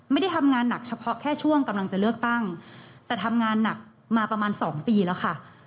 ไม่ได้ทำงานหนักเฉพาะแค่ช่วงกำลังจะเลือกตั้งแต่ทำงานหนักมาประมาณสองปีแล้วค่ะ